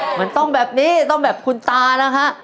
เหมือนต้องแบบนี้ต้องแบบคุณตานะฮะ